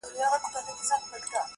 په ګاونډ کې پاچاهي د بل زمري وه